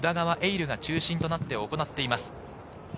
琉が中心となって行っています。